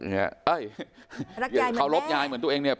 รักยายเหมือนแม่เขารับยายเหมือนตัวเองเนี่ย